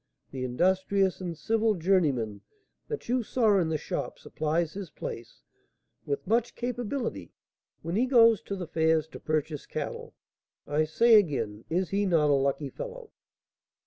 The industrious and civil journeyman that you saw in the shop supplies his place, with much capability, when he goes to the fairs to purchase cattle. I say again, is he not a lucky fellow?"